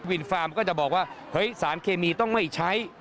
ฟาร์มก็จะบอกว่าเฮ้ยสารเคมีต้องไม่ใช้